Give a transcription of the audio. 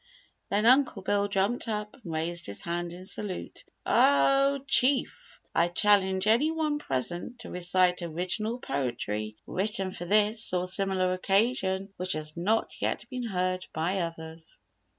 Then Uncle Bill jumped up and raised his hand in salute. "Oh Chief! I challenge any one present to recite original poetry written for this or a similar occasion which has not yet been heard by others."